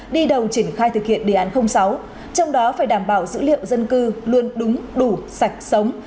đi đầu triển khai thực hiện đề án sáu trong đó phải đảm bảo dữ liệu dân cư luôn đúng đủ sạch sống